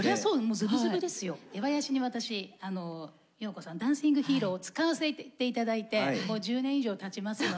出囃子に私洋子さんの「ダンシング・ヒーロー」を使わせて頂いてもう１０年以上たちますので。